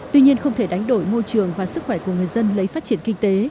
tuy nhiên không thể đánh đổi môi trường và sức khỏe của người dân lấy phát triển kinh tế